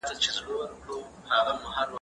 ماشومان باید د مېلمنو لپاره اوبه راوړي.